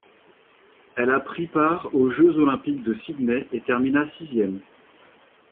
Elle a pris part aux Jeux olympiques de Sydney et termina sixième.